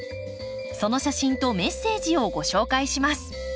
その写真とメッセージをご紹介します。